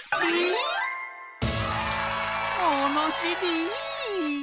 ものしり！